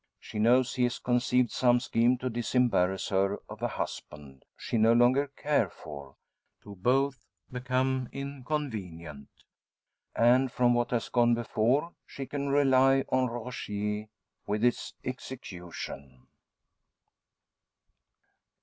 She knows he has conceived some scheme to disembarrass her of a husband, she no longer care? for, to both become inconvenient. And from what has gone before, she can rely on Rogier with its execution.